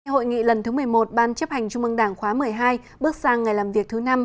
hội nghị lần thứ một mươi một ban chấp hành trung mương đảng khóa một mươi hai bước sang ngày làm việc thứ năm